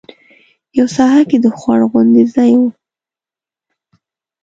یوه ساحه کې د خوړ غوندې ځای و.